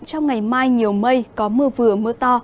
trong ngày mai nhiều mây có mưa vừa mưa to